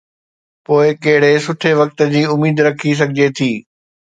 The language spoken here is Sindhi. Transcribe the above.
پوءِ ڪهڙي سٺي وقت جي اميد رکي سگهجي ٿي.